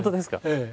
ええ。